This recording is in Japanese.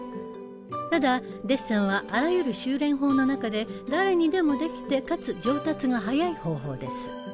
ただデッサンはあらゆる修練法の中で誰にでもできてかつ上達が早い方法です。